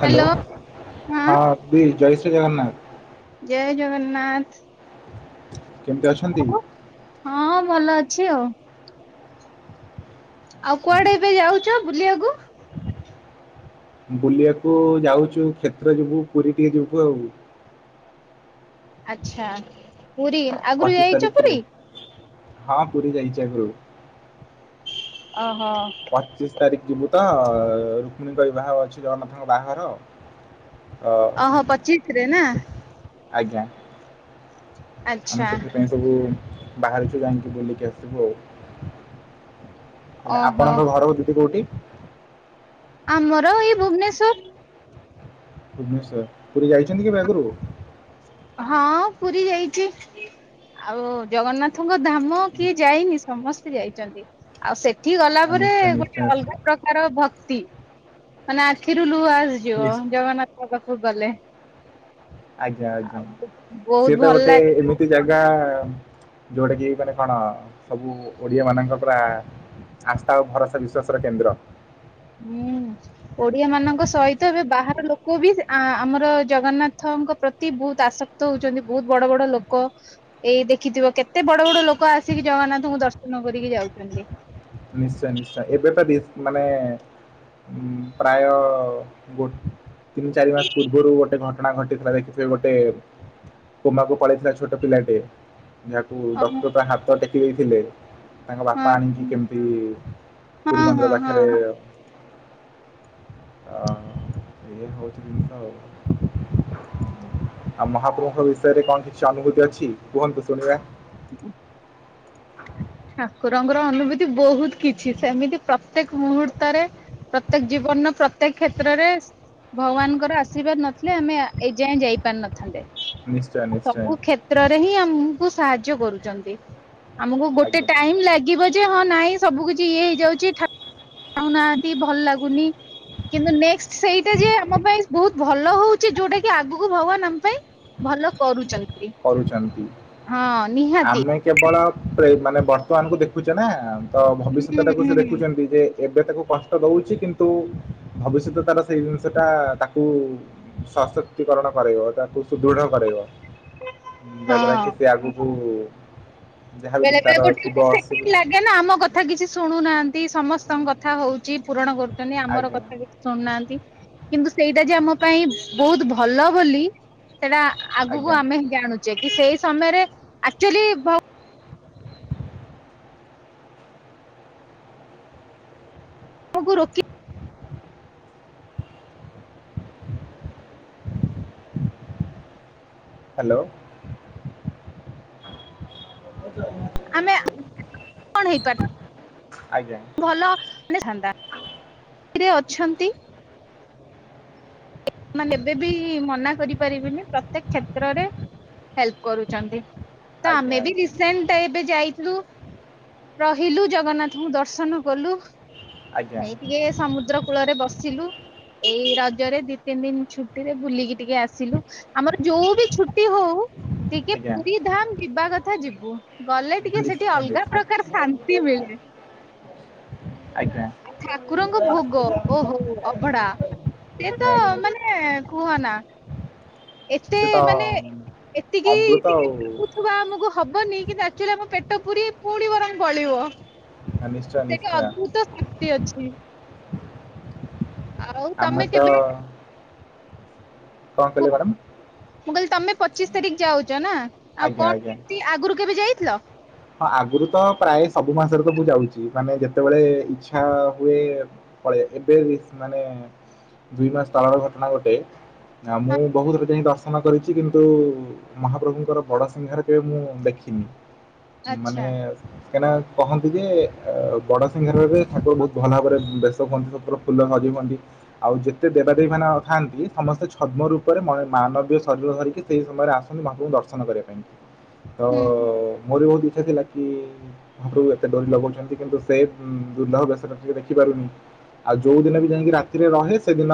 Hello ହଁ ବି ଜୟ ଜଗନ୍ନାଥ। ଜୟ ଜଗନ୍ନାଥ। କେମିତି ଅଛନ୍ତି? ହଁ ଭଲ ଅଛି ଆଉ। ଆଉ ଆଚ୍ଛା। କୁଆଡେ ଏବେ ଯାଉଛ ବୁଲିବାକୁ? ବୁଲିବାକୁ ଯାଉଛୁ କ୍ଷେତ୍ର ଯିବୁ ପୁରୀ ଟିକେ ଯିବୁ ଆଉ। ଆଛା ପୁରୀ ଆଗରୁ ପଚିଶ ଯାଇଛ ତାରିଖରେ ପୁରୀ? ହଁ ପୁରୀ ଯାଇଛି ଆଗରୁ। ଅ, ପଚିଶ ତାରିଖ ଯିବୁ ତ ରୁକ୍ମଣୀଙ୍କ ବିବାହ ଅଛି ଜଗନ୍ନାଥଙ୍କ ବାହାଘର ତ ଓହୋ ପଚିଶ ରେ ନା? ଆଜ୍ଞା। ଆମେ ଆଚ୍ଛା। ସେଥିପାଇଁ ସବୁ ବାହାରିଛୁ ଯାଇକି ବୁଲିକି ଆସିବୁ ଆଉ ହେଲେ ଓହୋ। ଆପଣଙ୍କ ଘରକୁ ଯିବୁ କଉଠି? ଆମର ଏଇ ଭୁବନେଶ୍ଵର। ଭୁବନେଶ୍ଵର ପୁରୀ ଯାଇଛନ୍ତି କେବେ ଆଗରୁ? ହଁ ପୁରୀ ଯାଇଛି ଆଉ ଜଗନ୍ନାଥଙ୍କ। ଧାମ କିଏ ଆଚ୍ଛା, ଯାଇନି ସମସ୍ତେ ଯାଇଛନ୍ତି ଆଉ ସେ ଠି ଗଲା ପରେ ନିଶ୍ଚୟ ନିଶ୍ଚୟ ଗୋଟେ ଅଲଗା ପ୍ରକାର ଭକ୍ତି ମାନେ ଆଖିରୁ ଲୁ ଲୁହ ଆସିଯିବ ନିଶ୍ଚୟ। ଜଗନ୍ନାଥଙ୍କ ପାଖକୁ ଗଲେ। ଆଜ୍ଞା ଆଜ୍ଞା ଆଉ ବହୁତ ସିଏ ତ ଭଲ ଗୋଟେ ଲାଗେ ଏମିତି ଜାଗା। ଯୋଉଟା କି ମାନେ କଣ ସବୁ ଓଡିଆମାନଙ୍କ ପରା। ଆସ୍ଥା ଓ ଭରସା ବିଶ୍ଵାସର କେନ୍ଦ୍ର। ହୁଁ ଓଡିଆ ମାନଙ୍କ ସହିତ ଏବେ ବାହାର ଲୋକ ବି ଆଁ ଆମର ଜଗନ୍ନାଥ। ଙ୍କ ପ୍ରତି ବହୁତ ଆସକ୍ତ ହଉଛନ୍ତି ବହୁତ ବଡ ବଡ ଲୋକ ଏଇ ଦେଖିଥିବ କେତେ ବଡ ବଡ ଲୋକ ଆସିକି ଜଗନ୍ନାଥଙ୍କୁ ଦର୍ଶନ କରିକି ଯାଉଛନ୍ତି। ନିଶ୍ଚୟ ନିଶ୍ଚୟ ଏବେତ ବି ମାନେ। ପ୍ରାୟ ଗୋ ତିନି ଚାରି ମାସ ପୂର୍ବରୁ ଗୋଟେ ଘଟ ଘଟଣା ଘଟିଥିଲା ଦେଖିଥିବେ ଗୋଟେ କୋମାକୁ ପଳେଇଥିଲା ଛୋଟ ପିଲାଟେ। ଯାହାକୁ ଓହୋ ଡକ୍ଟର ତା ହାତ ଟେକି ଦେଇଥିଲେ ତାଙ୍କ ହଁ ବାପା ଆଣିକି। କେମିତି ପୁରୀ ହଁ ମନ୍ଦିର ହଁ ହଁ ପାଖରେ। ହଁ। ହ ଏଇୟା ହଉଛି ଜିନିଷ ଆଉ। ହୁଁ ହୁଁ। ମହାପ୍ରଭୁଙ୍କ ବିଷୟରେ କଣ କିଛି ଅନୁଭୂତି ଅଛି କୁହନ୍ତୁ ଶୁଣିବା। ଠାକୁରଙ୍କର ଅନୁଭୂତି ବହୁତ କିଛି ସେମିତି ପ୍ରତ୍ୟେକ ମୁହୂର୍ତ୍ତରେ। ପ୍ରତ୍ୟେକ ଜୀବନର ପ୍ରତ୍ୟେକ କ୍ଷେତ୍ରରେ ଭଗବାନଙ୍କର ଆଶୀର୍ବାଦ ନଥିଲେ ଆମେ ଏଯାଏଁ ଯାଇପାରିନଥାନ୍ତେ। ନିଶ୍ଚୟ ନିଶ୍ଚୟ ସବୁ କ୍ଷେତ୍ରରେ ହିଁ ଆମକୁ ସାହାଯ୍ୟ କରୁଛନ୍ତି ଆମକୁ ଏତେ ଆଜ୍ଞା ଟାଇମ୍ ଲାଗିବ ଯେ ହଁ ନାଇଁ ସବୁ କିଛି ଇଏ ହେଇଯାଉଛି ଠା ପାଉନାହାନ୍ତି ଭଲ ଲାଗୁନି। କିନ୍ତୁ ନେକ୍ସ ସେଇଟା ଯେ ଆମ ପାଇଁ ବହୁତ ଭଲ ହଉଛି ଯୋଉଟା କି ଆଗକୁ ଭଗବାନ ଆମ ପାଇଁ। ଭଲ କରୁଛନ କରୁଛନ୍ତି। ହଁ ନିହାତି। ବଳ ପ୍ରେ ମାନେ ବର୍ତ୍ତମାନ କୁ ଦେଖୁଛେ ନା ତ ହୁଁ ଭବିଷ୍ୟତ ଟାକୁ ସେ ହୁଁ ଦେଖୁଛନ୍ତି ଯେ। ଏବେ ତାକୁ କଷ୍ଟ ଦଉଛି କିନ୍ତୁ ଭବିଷ୍ୟତ ତାର ସେଇ ଜିନିଷଟା ତାକୁ ସ ସଶକ୍ତିକରଣ କରେଇବ ତାକୁ ସୁଦୃଢ କରେଇବ। ଯା ଦ୍ୱାରା ହଁ କି ସେ ଆଗୁକୁ। ବେଳେ ବେଳେ ଗୋଟେ ଅସୁ ସେକେଣ୍ଡ ଲାଗେ ନା ଆମ କଥା କିଛି ଶୁଣୁନାହାନ୍ତି ସମସ ତଙ୍କ କଥା ହଉଛି ପୂରଣ କରୁଛନ୍ତି ଆମର ଆଜ୍ଞା କଥା କିଛି ଶୁଣୁନାହାନ୍ତି କିନ୍ତୁ ସେଇଟା ଯେ ଆମ ପାଇଁ ବହୁତ ଭଲ ବୋଲି। ସେଇଟା ଆଗକୁ ଆଜ୍ଞା ଆମେ ହଁ ଜାଣୁଛେ କି ସେଇ ସମୟରେ ଆକ୍ଚୁଆଲି ଭ ତମକୁ ରୋକି। ଆ ହାଲୋ। ଆମେ କଣ ହେଇପାର ଆଜ୍ଞା ଭଲ ମାନେ ଥାନ୍ତା ରେ ଅଛନ୍ତି। ମାନେ କେବେ ବି ମନା କରି ପାରିବିନି ପ୍ରତ୍ୟେକ କ୍ଷେତ୍ରରେ ହେଲ୍ପ କରୁଛନ୍ତି। ତ ଆଜ୍ଞା ଆମେ ବି ଆଜ୍ଞା ରିସେଣ୍ଟ ଏବେ ଯାଇଥିଲୁ। ରହିଲୁ ଜଗନ୍ନାଥଙ୍କୁ ଦର୍ଶନ କଲୁ। ଆଜ୍ଞା ଏଇ ଟିକେ ସମୁଦ୍ର କୂଳରେ ବସିଲୁ ଏଇ ର ଦି ତିନି ଦିନ ଛୁଟିରେ ବୁଲିକି ଟିକେ ଆସିଲୁ ଆମର ଯୋଉ ବି ଛୁଟି ହଉ। ଟିକେ ଆଜ୍ଞା ପୁରୀ ଧାମ ଯିବା କଥା ଯିବୁ ଗଲେ ଟିକେ ସେଠି ନିଶ୍ଚୟ ଅଲଗା ନିଶ୍ଚୟ ପ୍ରକାର ଶାନ୍ତି ମିଳେ। ଏ। [inaudible] ଆ ଠାକୁରଙ୍କ ଭୋଗ ଓହୋ ଅଭଢା ସେ ଆଜ୍ଞା ତ ଆଜ୍ଞା ମାନେ କୁହନା ଏତେ ସେ ତ ମାନେ ଏତିକି ଅମୃତ ଆଉ ଟିକେ ଭାବୁଥିବା ଆମକୁ ହବନି। କିନ୍ତୁ ଆକ୍ଚୁଆଲି ଆମ ପେଟ ପୁରୀ ପୁଣି ବରମ୍ ବଳିବ। ନିଶ୍ଚୟ ସେଠି ନିଶ୍ଚୟ ଅଦ୍ଭୁତ ସ୍ମୃତି ଅଛି। ଆଉ ଆମେ ତମେ କେବେ କଁ କୁହ କହିଲେ ମ୍ୟାଡ଼ାାମ୍ ମୁଁ କଇଲି ତମେ ପଚିଶ୍ ତାରିକ୍ ଯାଉଚ ନା ଆଉ ଆଜ୍ଞା କଣ ଆଜ୍ଞା କେମତି ଆଗୁରୁ କେବେ ଯାଇଥିଲ? ହଁ ଆଗରୁ ତ ପ୍ରାୟ ସବୁ ମାସରେ ତ ମୁଁ ଯାଉଛି ମାନେ ଯେତେବେଳେ ଇଛା ହୁଏ ପଳିଏ ଏବେ ମାନେ ଦୁଇ ମାସ୍ ତଳର ଘଟଣା ଗୋଟେ ନା ହଁ ମୁଁ ବହୁତ୍ ରେ ଯାଇ ଦଶ୍ ର୍ସନ କରିଛି କିନ୍ତୁ ମହାପ୍ରଭୁଙ୍କର ବଡ଼ ସିଂହାର କେବେ ମୁଁ ଦେଖିନି। ମାନେ ଆଚ୍ଛା କାଇଁନା କହନ୍ତି ଯେ ବଡ ସିଂହାର ଭାବେ ଠାକୁର ବହୁତୁ ଭଲ ଭାବରେ ବେସ ହୁଅନ୍ତି ଫୁଲ ସଜେ ଆଉ ଯେତେ ଦେବାଦେବୀ ମାନ ଥାନ୍ତି ସମସ୍ତେ ଛଦ୍ମ ରୂପରେ ମାନବୀୟ ଶରୀର ଧରିକି ସେଇ ସମୟରେ ଆସୁନୁ ବାପୁଙ୍କୁ ଦର୍ଶନ କରିବା ପାଇଁ। ତ ହୁଁ। ମୋର ବି ବହୁତ ଇଛା ଥିଲା କି ମହାପ୍ରଭ ଏତେ ଡୋରି ଲଗୋଉଛନ୍ତି କିନ୍ତୁ ସେ ଦୁର୍ଲଭ ବେସ ଟା ଟିକେ ଦେଖିପାରୁନି। ଆଉ ଯୋଉ ଦିନ ବି ଯାଇଁକି ରାତିରେ ରହେ ସେଦିନ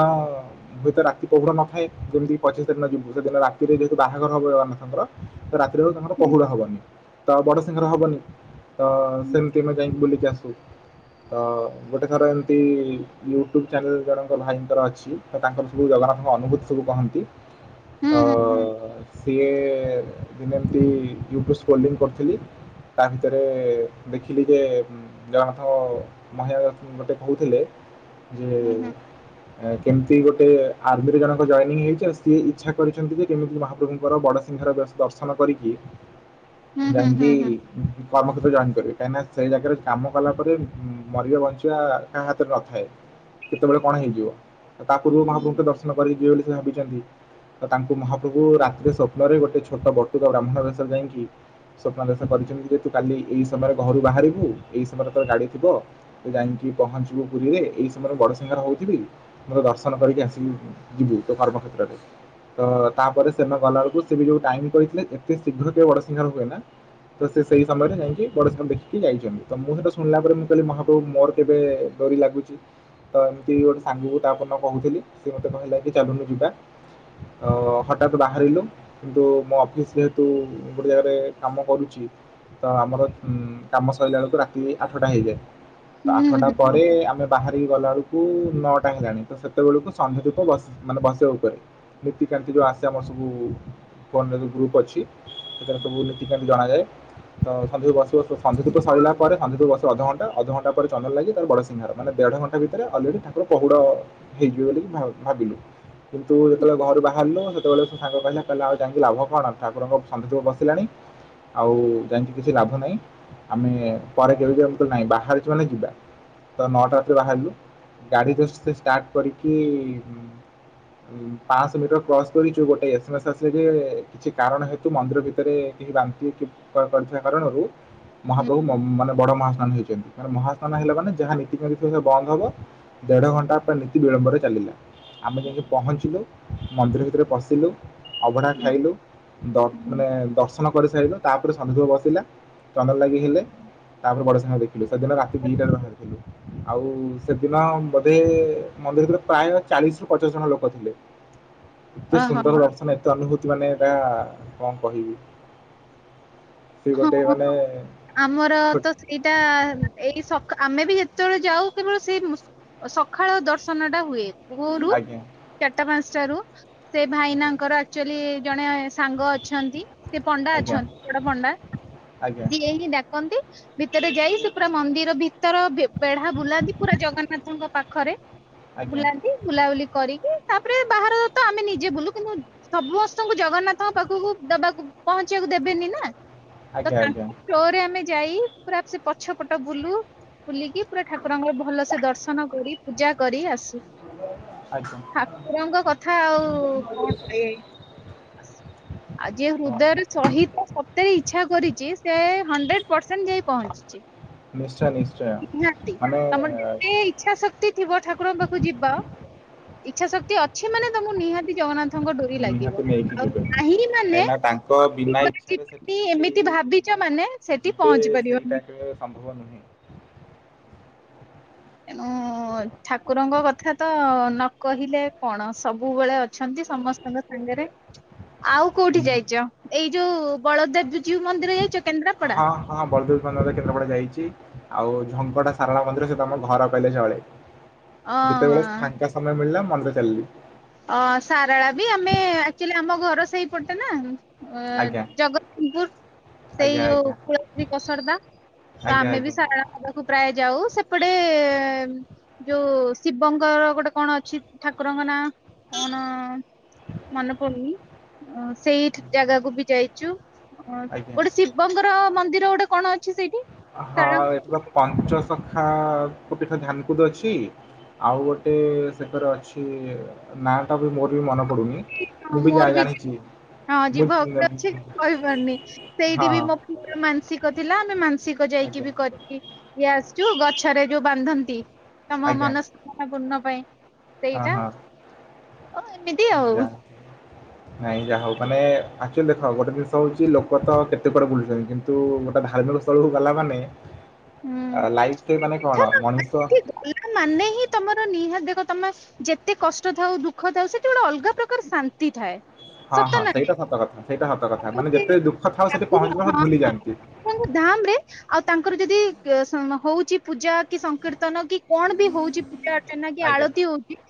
ହୁଏତ ରାତି ପହୁଡ ନଥାଏ ଯେମତିି ପଚିଶ ତାରିିନ ଯିବୁ ସେଦିନ ରାତିରେ ଯେହତୁ ବାହାଘର ହବ ଏ ଜଗନାଥଙ୍କ ରାତିରେ ହଉ ତାଙ୍କର ହୁଁ କହୁଡା ହବନି ତ ବଡ ସିଂଙ୍ଗର ହବନି ତ ସେମିତିମେ ଯାଇକି ବୁଲିକି ଆସୁ ତ ଗୋଟେ ଥର ଏମତି ୟୁଟ୍ୟୁବ ଚ୍ୟାନେଲ ଜଣଙ୍କ ଭାଇଙ୍କର ଅଛି ତ ତାଙ୍କର ସବୁ ଜଗ ଅନୁଭୂ ସବୁ କହନ୍ତି ହୁଁ ତ ହୁଁ ସିଏ ଦିନ ଏମତିୟ ଲି ତା ପରେ ଦେଖିଲିଯେ ଯଣଙ୍କ ଗୋଟେ କୁଡିରେ ଯେ ହୁଁ ହୁଁ କେମିତି ଗୋଟେ ଆର୍ମିରେ ଜଣକ ଜଏନିଂ ହେଇଛି ଆଉ ସିଏ ଇଚ୍ଛା କରିଛନ୍ତି ଯେ କେମିତି ମହାପ୍ରଭୁଙ୍କର ବଡ଼ସିଂହହାର ଦର୍ଶନ କରିକି ହୁଁ। ହୁଁ ହୁଁ ବାଙ୍କୀ ହୁଁ ହୁଁ ହୁଁ ହୁଁ ହୁଁ କର୍ମକ୍ଷେତ୍ର ଜଏନ କରିବେ କାହିଁକିନା ସେଇ ଜାଗାରେ କାମ କଲା ପରେ ମରିବା ବଞ୍ଚିବା କାହା ହାତରେ ନଥାଏ। କେତେବେଳେ କଣ ହେଇଯିବ ତା ପୂର୍ବରୁ ମହାପ୍ରଭୁଙ୍କ ଦର୍ଶନ କରିକ କି ଏଭଳି ସେ ଭାବିଛନ୍ତି। ତ ତାଙ୍କୁ ମହାପ୍ରଭୁ ରାତିରେ ସ୍ୱପ୍ନରେ ଗୋଟେ ଛୋଟ ବଟୁକା ବ୍ରାହ୍ମଣ ବେଶରେ ଯାଇଁକି ସ୍ୱପ୍ନ ଦେଶ କରିଛନ୍ତି ଯେ ତୁ କାଲି ଏଇ ସମୟରେ ଘରୁ ବାହାରିବୁ ଏଇ ସମୟରେ ତୋର ଗାଡି ଥିବ ତୁ ଯାଇଁ ପହଞ୍ଚିବୁ ପୁରୀରେ ଏଇ ସମୟରେ ବଡସିଂହାର ହଉଥିବି ମତେ ଦର୍ଶନ କରିକି ଆସି ଯିବୁ ତୋ ତ ତାପରେ ସେନ ଗଲା ବେଳକୁ ସିଏ ବି ଯୋଉ ଟାଇମ କହିଥିଲେ ଏତେ ଶୀଘ୍ର କେ ବଡ ସିଙ୍ଗାରପ ହୁଏ ନ ତ ସେଇ ସମୟରେ ଯାଇକି ବଡସିଂଘାର ଦେଖିକି ଯାଇଛନ୍ତି ତ ମୁଁ ସେଇଟା ଶୁଣିଲା ପରେ ମୁଁ କହିଲି ମହାପ୍ରଭୁ ମୋର କେବେ ଡୋରି ଲାଗୁଛି ତ ଏମିତି ଗୋଟେ ସାଙ୍ଗକୁ ତାପ ନ କହୁଥିଲି ସେ ମତେ କହିଲା କି ଚାଲୁନୁ ଯିବା। ହଠାତ୍ ବାହାରିଲୁ କିନ୍ତୁ ମୋ ଅଫିସ ଯେହେତୁ ଗୋଟେ ଜାଗାରେ କାମ କରୁଛି। ତ ଆମର ଉ କାମ ସରିଲା ବେଳକୁ ରାତି ଆଠଟା ହେଇଯାଏ। ଆଠଟା ପରେ ଆମେ ବାହାରିକି ଗଲା ବେଳକୁ ନଅଟା ହେଲାଣି ତ ସେତେବେଳକୁ ସନ୍ଧ୍ୟା ଧୂପ ବସିବା ମାନେ ବସିବା ଉପରେ ନୀତିକାାନ୍ତି ଯୋଉ ଆସେ ସ ସବୁ ଫୋନରେ ଗ୍ରୁପ୍ ଅଛି ସେଥିରେ ସବୁ ନୀତିକାନ୍ତି ଜଣାଯାଏ। ତ ସନ୍ଧ୍ୟୁକୁ ବସିବ ସନ୍ଧୁୁ ସରିଲ ପରେ ସନ୍ ବସିବ ଅଧଘଣ୍ଟା ଅଧଘଣ୍ଟା ପରେ ଚନ୍ଦନ ଲାଗି ତାର ବଡ ସିଂହାର ମାନେ ଦେଢ ଘଣ୍ଟା ଭିତରେ ଅଲରେଡି ଠାକୁର କହୁଡ ହେଇଯିବେ ବୋଲି ଭା ଭାବିଲୁ। କିନ୍ତୁ ଯେତେବେଳେ ଘରୁ ବାହାରିଲୁ ସେତେବେଳେ ସାଙ୍ଗ କହିଲା କହିଲେ ଆଉ ଯାଇକି ଲାଭ କଣ? ଆ ଠାକୁରଙ୍କ ସନ୍ଦଠୁପ ବସିଲାଣି। ଆଉ ଯାଇକି କିଛି ଲାଭ ନାହିଁ। ଆମେ ପରେ କେବେମ ନାହିଁ ବାହାରୁଛୁ ମାନେ ଯିବା। ତ ନଅଟାରେ ବାହାରିଲୁ। ଗାଡି ଷ୍ଟାର୍ଟ କରିକି ଉଁ ପାଁଶହ ମିଟର କ୍ରସ୍ କରିଛୁ ଗୋଟେ ଏସେମେସ୍ ଆସିଲେ ଯେ କିଛି କାରଣ ହେ ତ ମନ୍ଦିର ଭିତରେ କେହି ବାନ୍ତି କ-କରିଥିବା କାରଣରୁ ହୁଁ ମହାପ୍ରଭୁ ହୁଁ ହୁଁ। ମୋ ମାନେ ବଡ ମହାସ୍ନାନ ହେଇଛନ୍ତି। ମାନେ ମହାସ୍ନାନ ହେଲା ମାନେ ଯାହା ନୀତି ଫିତି ଥିବ ସବୁ ବନ୍ଦ ହବ। ଦେଢ ଘଣ୍ଟା ପା ନୀତି ବିଳମ୍ବରେ ଚାଲିଲା। ଆମେ ଯାଇକି ପହଁଞ୍ଚିଲୁ। ମନ୍ଦିର ଭିତରେ ପଶିଲୁ ଅବଢା ଖାଇଲୁ। ଦଶ୍ ହୁଁ ମାନେ ଦଶ୍ ଦର୍ଶନ କରି ସାଇଲୁ। ତା ପରେ ଶନି ଦୁଷ ବସିଲା। ଚଦନ ଲାଗି ହେଲେ ତାପରେ ବଡ ହଁ ଦେଖିଲୁ। ସେଦିନ ରାତି ଦିଟା ଆଳୁ ବାହାରିଥିଲୁ। ଆଉ ସେଦିନ ବୋଧେ ମନ୍ଦିରରେ ପ୍ରାୟ ଚାଳିଶ୍ ରୁ ପଚାଶ ଜଣ ଲୋକ ଥିଲେ। [inaudible] ଏତେ ଓହୋ ସୁନ୍ଦର ଦର୍ଶନ ଏତେ ଅନୁଭୂତି ମାନେ ଏଇଟା କଣ କହିବି। ସେ ଗୋଟେ ହଁ ମାନେ ଆମର ଛୋ ତ ସେଇଟା ଏଇ ସକା ଆ ମେ ବି ଯେତେବେଳେ ଯାଉ କେବଳ ସେଇ ସକାଳ ଦର୍ଶନ ଟା ହୁଏ। ଭୋରୁ ଆଜ୍ଞା ଚାରିଟା ପାଞ୍ଚଟା ରୁ ସେ ଭାଇନାଙ୍କର ଆକ୍ଚୁଆଲି ଜଣେ ସାଙ୍ଗ ଅଛନ୍ତି ସେ ପଣ୍ଡା ଆଜ୍ଞା ଅଛନ୍ତି ବଡ ପଣ୍ଡା। ଆଜ୍ଞା ଆଜ୍ଞା ସିଏ ହିଁ ଡାକନ୍ତି ଭିତରେ ଯାଇ ସେ ପୁରା ମନ୍ଦିର ଭିତରେ ତର ବେଢା ବୁଲାନ୍ତି ପୁରା ଜଗନ୍ନାଥଙ୍କ ପାଖରେ। ବୁଲାନ୍ତି ବୁଲାବୁଲି କରିକି ତାପରେ ବାହାରତ ଆମେ ନିଜେ ବୁଲୁ କିନ୍ତୁ ସମସ୍ତଙ୍କୁ ଜଗନ୍ନାଥଙ୍କ ପାଖକୁ ଦେବାକୁ ପଂହଁଚିବାକୁ ଦେବେନି ନା। ଆଜ୍ଞା ଆଜ୍ଞା। ଷ୍ଟୋରେ ଆମେ ଯାଇ ପୁରା ସେ ପଛ ପଟ ବୁଲୁ। ବୁଲିକି ପୁରା ଠାକୁରଙ୍କର ଭଲସେ ଦର୍ଶନ କରି ପୂଜା କରି ଆସୁ। ଆଜ୍ଞା ଠାକୁରଙ୍କ କଥା ଆଉ କଣ କହିବେ। ଆଜି ଏ ହଁ ହୃଦୟର ସହିତ ସତେ ଇଚ୍ଛା କରି କି ସେ ହଣ୍ଡ୍ରେଡ୍ ପରସେଣ୍ଟ୍ ଯାଇ ପହଞ୍ଚିଛି। ନିଶ୍ଚୟ ନିଶ୍ଚୟ ନିହାତି ମାନେ ତମର ଯେତେ ଇଚ୍ଛା ଶକ୍ତି ଥିବ ଠାକୁରଙ୍କ ପାଖକୁ ଯିବ। ଇଚ୍ଛା ଶକ୍ତି ଅଛି ମାନେ ତମ ନିହାତି ଜଗନ୍ନାଥଙ୍କ ଡୋରି ଲାଗିବ। ନିହାତି ନେଇକି ଆଉ ଯିବେ ନାହିଁ ମାନେ କାହିଁକିନା ତାଙ୍କ ବିନା [unintelligible] ଇଚ୍ଛାରେ ସେଠିକି କେହି ଏମିତି ଭାବିଛ ମାନେ ସେଠି ଯିବେ ପହଞ୍ଚି ସେଇଟା ପାରିବନି। କେବେ ସମ୍ଭବ ନୁହେଁ ଏଣୁ ଠାକୁରଙ୍କ କଥା ତ ନ କହିଲେ କଣ ସବୁବେଳେ ଅଛନ୍ତି ସମସ୍ତଙ୍କ ସାଙ୍ଗରେ। ଆଉ କୋଉଠି ହୁଁ, ଯାଇଛ ଏଇ ଯୋଉ ବଳଦେବ୍ ଜୁ ହଁ ହଁ ବଳଦେବ କେନ୍ଦ୍ରାପଡା ଯାଇଚି। ଆଉ ଝଙ୍କଟା ସାରଳା ମନ୍ଦିର ସେ ତମ ଘର କହିଲେ ଚଳେ। ଯେତେବେଳେ ଅଁ ଫାଙ୍କା ସମୟ ମିଳିଲା ମନ୍ଦିର ଚାଲିଲି। ଅ ସାରଳା ବି ଆମେ ଆକ୍ଚୁଆଲି ଆମ ଘର ସେଇପଟେ ନା। ଅ ଆଜ୍ଞା ଜଗତସିଂହପୁର ସେଇ ଆଜ୍ଞା ଯୋଉ ଆଜ୍ଞା କୁଳ୍ରୀ ପସରଦା। ତ ଆଜ୍ଞା ଆମେ ଆଜ୍ଞା ବି ସାରଳା ଆଳକୁ ପ୍ରାୟ ଯାଉ। ସେପଟେ ଯୋଉ ଶିବଙ୍କର ଗୋଟେ କଣ ଅଛି ଠାକୁରଙ୍କ ନାଁ କଣ? ମନେପଡୁନି ସେଇ ଜାଗାକୁ ବି ଯାଇଚୁ। ହଁ ଆଜ୍ଞା। ଗୋଟେ ଶିବଙ୍କର ମନ୍ଦିର ଗୋଟେ କଣ ଅ ହଁ ଏଠି ତ ପଞ୍ଚସଖା ଧ୍ୟାନ ପୀଠ ଅଛି। ଆଉ ଗୋଟେ ସେକରେ ଅଛି ନା ଟା ବି ମୋ ମନ ପଡୁନି ମୁଁ ବି ଜା-ଜାଣିଛି। ହଁ ଯିବ କିଛି କହି ପାରୁନି। ହଁ ସେଇଠି ବି ମୋ ପୁଅର ମାନସିକ ଥିଲା। ଆମେ ମାନସିକ ଯାଇକି ଆଜ୍ଞା ବି କରିକି ଇଏ ଆସିଛୁ। ଗଛରେ ଯୋଉ ବାନ୍ଧନ୍ତି। ତମ ଆଜ୍ଞା ମନସ୍କାମନା ପୂର୍ଣ୍ଣ ପାଇଁ ସେଇଟା। ଏମିତି ଆଉ [unintelligible] ହୁଁ। ଭାଇ ଯାହା ହଉ ତମେ ଅଚ୍ୟାଲ ଦେଖ ଗୋଟେ ଜିଷ ହଉଛିକ ତ କେତେ କୁଟେ ବୁଲୁଛନ୍ତି କିନ୍ତୁ ଗୋଟେ ଧାର୍ମିକ ସ୍ଥଳ କୁ ଗଲା ମାନେ ଆ ଲାଇଫରେ ମାନେ କଣ ହୁଁ ମଣିଷ [inaudible] ଗଲା ମାନେ ହିଁ ତମର ନିହାତି ଦେଖ ତମେ ଯେତେ କଷ୍ଟ ଥାଉ ଦୁଃଖ ଥାଉ ସେଠି ଗୋଟେ ଅଲଗା ପ୍ରକାର ଶାନ୍ତି ଥାଏ। ହଁ ସତ ହଁ ନା ନାଇଁ? ସେଇଟା ସତ କଥା ସେଇଟା ସେ [inaudible] ଭୁଲି ଯାଆନ୍ତି। ଠାକୁର ଧାମ ରେ ଆଉ ତାଙ୍କର ଯଦି। କି କେଶମା ହଉଛି ପୂଜା କି ସଂକୀର୍ତ୍ତନ କି କଣ ବି ହଉଛି। ପୂଜା ଅର୍ଚ୍ଚନା କି ଆଜ୍ଞା ଆଳତି ହଉଛି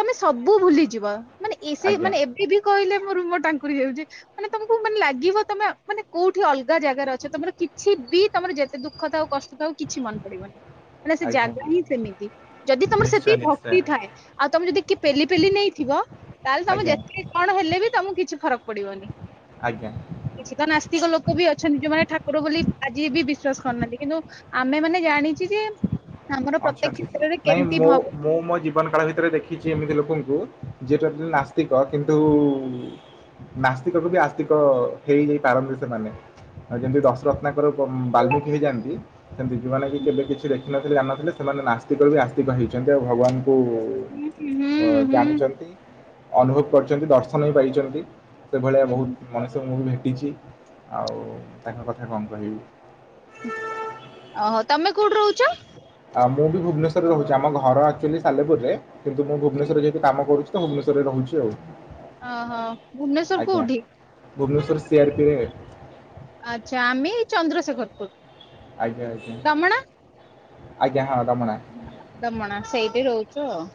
ତମେ ସବୁ ଭୁଲିଯିବ। ମାନେ ଏସ ଆଜ୍ଞା ମାନେ ଏବେ ବି କହିଲେ ମୋ ରୁମ ଟାଙ୍କୁରି ଯାଉଛି ମାନେ ତମକୁ ମାନେ ଲାଗିବ ତମେ ମାନେ କୋଉଠି ଅଲଗା ଜାଗାରେ ଅଛ ତମର କିଛି ବି ତମର ଯେତେ ଦୁଖ ଥାଉ କଷ୍ଟ ଥାଉ କିଛି ମନେ ପଡିବନି। ମାନ ସେ ଆଜ୍ଞା ଜାଗା ହିଁ ସେମିତି ଯଦି ତମର ନିଶ୍ଚୟ ସେତିକି ନିଶ୍ଚୟ ଭକ୍ତି ଥାଏ ଆଉ ତମେ ଯଦି କିଏ ପେଲି ପେଲି ନେଇଥିବ ତାହେଲେ ତମେ ଆଜ୍ଞା ଯେତକେ କଣ ହେଲେ ବି ତମକୁ କିଛି ଫରକ ପଡିବନି। ଆଜ୍ଞା ଆଜ୍ଞା। କିଛି ତ ନାସ୍ତିକ ଲୋକ ବି ଅଛନ୍ତି ଯୋଉମାନେ ଠାକୁର ବୋଲି ଆଜି ବି ବିଶ୍ଵାସ କରୁନାହାନ୍ତି କିନ୍ତୁ। ଆମେ ମାନେ ଜାଣିଚି ଜେ। ଅଛ ନାଇଁ ମୁଁ ମୁଁ ମୋ ଜୀବନ କାଳ ଭିତରେ ଦେଖିଛି ଏମିତି ଲୋକଙ୍କୁ ଯିଏ ଟୋଟଲି ନାସ୍ତିକ କିନ୍ତୁ। ନାସ୍ତିକକୁ ବି ଆସ୍ତିକ ହେଇଯାଇ ପାରନ୍ତି ସେମାନେ। ଆଉ ଯେମିତି ଦଶ ରତ୍ନାଙ୍କର ବାଲ୍ମୀିକି ହେଇଯାଆନ୍ତି। ସେମିତି ଯଉମାନେ କି କେବେ କିଛି ଦେଖିନଥିଲେ ଜାନଥିଲେ ସେମାନେ ନାତିକରୁ ବି ଆସ୍ତିକ ହେଇଛନ୍ତି ଆଉ ଭଗବାନ ହୁଁ ଓହ ହୁଁ ହୁଁ ଜାଣିଛନ୍ତି। ଅନୁଭବ କରିଛନ୍ତି ଦର୍ଶନ ହଇ ପାଇଛନ୍ତି ସେଭଳିଆ ହୁଁ। ବହୁତ ମଣିଷ ମୁଁ ବି। ଟିଛି ଆଉ ତାଙ୍କ କଥା କଣ କହିବି। ଓହୋ ତମେ କୋଉଠି ରହୁଛ? ଆମେ ବି ଭୁବନେଶ୍ୱରରେ ରହୁଛି ଆମ ଘର ଆକ୍ଚୁଆଲି ସାଲେପୁର ରେ କିନ୍ତୁ ମୁଁ ଭୁବନେଶ୍ୱରରେ ଯି କାମ କରୁଛି ଭୁବନେଶ୍ୱରରେ ରହୁଚୁ ଆଉ ଓହୋ ଭୁବନେଶ୍ଵର ଆଜ୍ଞା କୋଉଠି ଭୁବନେଶ୍ୱର ସିଆର୍ପିରେ ଆଛା ଆମେ ଚନ୍ଦ୍ରଶେଖର। ଆଜ୍ଞା ଆଜ୍ଞା ଆଜ୍ଞା ହଁ। ରମଣା ଦମଣା ସେଇଠି ରହୁଛୁ ଆଉ।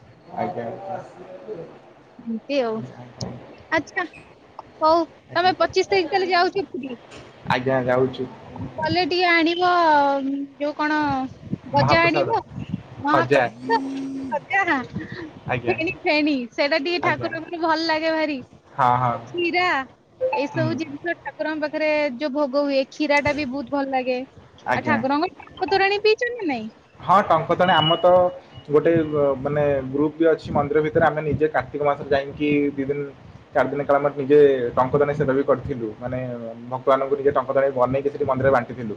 ଆଜ୍ଞା ଆଞା। ଏମ୍ତି ଆଉ ଆଚ୍ଛା। ହଉ ତମେ ଆଜ୍ଞା ପଚିଶି ତାରିଖ ତାହେଲେ ଯାଉଛ ପୁରୀ। ଆଜ୍ଞା ଯାଉଛି। କଲେ ଟିକେ ଆଣିବ ଆଉ ଯୋଉ କଣ ଗଜା ମହାପ୍ରସାଦ ଆଣିବ ଖଜା ମହାପ୍ରଭୁଙ୍କ ଗଜା ହଁ ଆଜ୍ଞା ଫେଣି ଫେଣି ସେ ଟିକେ ଆଜ୍ଞା ଠାକୁରଙ୍କ ଭଲ ଲାଗେ ଭାରି ହଁ ହଁ ଏ କଷୀରା ଏଇ ହୁଁ ସବୁ ଜିନିଷ ଠାକୁ ଠାକୁର ଙ୍କ ପାଖରେ ଯୋଉ ଭୋଗ ହୁଏ ଖିରା ଟା ବି ବହୁତ ଭଲ ଲାଗେ। ଆଉ ଆଜ୍ଞା ଠାକୁରଙ୍କ ଟକଂତରାଣୀ ପିଚନନ୍ତି ନା ନାଇଁ। ହଁ ଟଙ୍କ ତରାଣି ଆମର ତ ଗୋଟେ ମାନେ ଗ୍ରୁପ ବି ଅଛି ମନ୍ଦିର ଭିତରେ ଆମେ ନିଜେ କାଟି। ମାସ ଯାଇକି ଦି ଦିନ ଚାରି ଦିନ କାଳ ନିଜେ ଟଙ୍କ ତୋରାଣି ଦାନ ସେବା ବି କରିଥିଲୁ ମାନେ ଭଗବାନଙ୍କୁ ନିଜେ ଟଙ୍କ ତୋରାଣି ବନେଇକି ସେଠି ମନ୍ଦିରରେ ବାଣ୍ଟିଥିଲୁ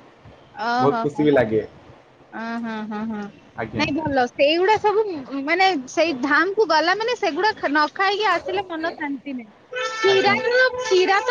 ବହୁତ ଓହୋ ହୋ ଖୁସି ବି ଲାଗେ। ହଁ ହଁ ହଁ ହଁ ଆଜ୍ଞା ନାଇଁ ଭଲ ସେଇଗୁଡା ସବୁ ମାନେ ସେଇ ଧାମ୍ କୁ ଗଲା ମାନେ ମାନେ ସେଗୁଡା ନ ଖାଇକି ଆସିଲେ ମନ ଶାନ୍ତି ନାହିଁ କିରା ଆଜ୍ଞା ଯେ ଖିରା